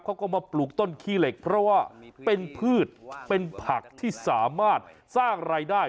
เขาก็มาปลูกต้นขี้เหล็กเพราะว่าเป็นพืชเป็นผักที่สามารถสร้างรายได้